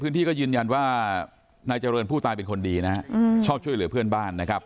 ที่ก็ยืนยันว่านายเจริญผู้ตายเป็นคนดีนะฮะชอบช่วยเหลือเพื่อนบ้านนะครับ